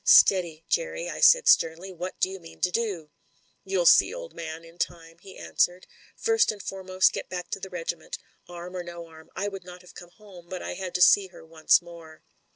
"Steady, Jerry," I said sternly. "What do you mean to do?" "You'll see, old man, in time," he answered. "First and foremost, get back to the regiment, arm or no arm. I would not have come home, but I had to see her once more."